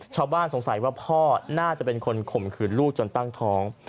สงสัยว่าพ่อน่าจะเป็นคนข่มขืนลูกจนตั้งท้อง